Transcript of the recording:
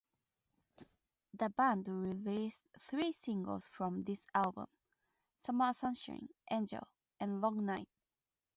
The band released three singles from this album: "Summer Sunshine," "Angel," and "Long Night.